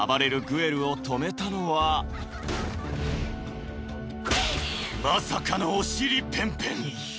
グエルを止めたのはまさかのお尻ペンペン！